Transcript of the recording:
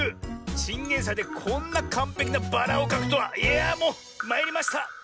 チンゲンサイでこんなかんぺきなバラをかくとはいやあもうまいりました！